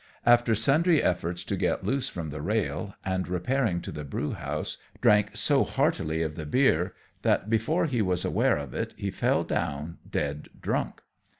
After sundry efforts he got loose from the rail, and repairing to the brewhouse, drank so heartily of the beer, that, before he was aware of it, he fell down dead drunk.